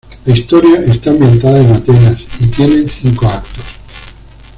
La historia está ambientada en Atenas y tiene cinco actos.